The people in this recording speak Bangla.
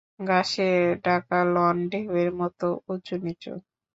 ঘাসে ঢাকা লন, ঢেউয়ের মতো উঁচুনিচু করা।